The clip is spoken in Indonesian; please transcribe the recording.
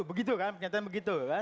begitu kan pernyataan begitu